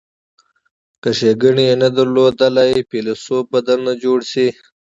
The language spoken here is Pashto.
که ښیګڼې یې نه درلودلې فیلسوف به درنه جوړ شي.